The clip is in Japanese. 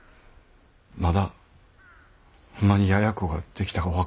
まだほんまにややこができたか分かれへんねんで。